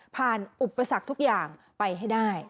อุปสรรคทุกอย่างไปให้ได้